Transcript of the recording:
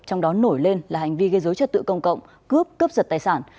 trong đó nổi lên là hành vi gây dối trật tự công cộng cướp cướp giật tài sản